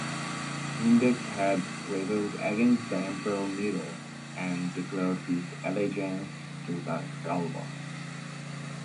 Vindex had rebelled against the Emperor Nero and declared his allegiance to Galba.